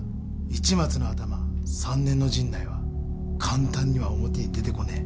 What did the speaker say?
市松のアタマ３年の陣内は簡単には表に出てこねえ。